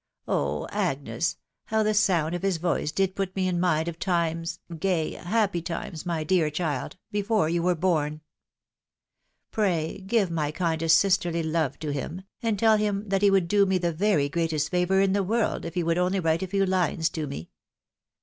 Oh ! Agnes, how the sound of his voice did put me in mind of times — gay, happy times, my dear child — ^before you were born ! Pray give my kindest sisterly love to him, and tell him that he would do me the very greatest favour in the world if he would only write a few lines to me.